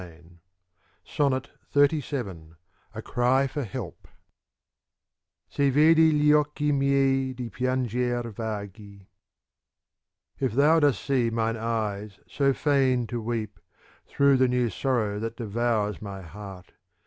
C SONNET XXXVII /^^'^^"^ A CRY FOR HELP & vedi gli occh'i miei di fianger vaghi If thou dost see mine eyes so fain to weep, Through the new sorrow that devours my heart.